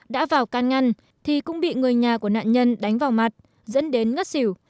đã vào can ngăn thì cũng bị người nhà của nạn nhân đánh vào mặt dẫn đến ngất xỉu